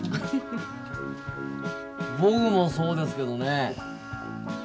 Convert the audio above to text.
僕もそうですけどね